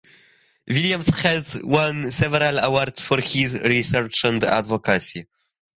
Williams has won several awards for his research and advocacy.